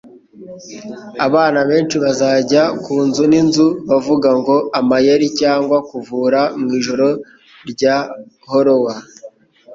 Abana benshi bazajya ku nzu n'inzu bavuga ngo "Amayeri cyangwa kuvura?" mu ijoro rya Halloween.